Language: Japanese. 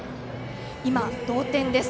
今、同点です。